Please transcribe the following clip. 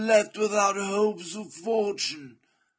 left without hopes or fortune.